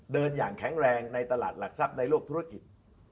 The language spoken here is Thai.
อย่างแข็งแรงในตลาดหลักทรัพย์ในโลกธุรกิจ